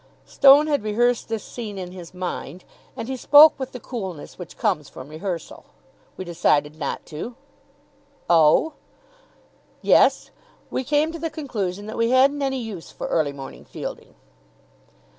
Stone had rehearsed this scene in his mind, and he spoke with the coolness which comes from rehearsal. "We decided not to." "Oh?" "Yes. We came to the conclusion that we hadn't any use for early morning fielding."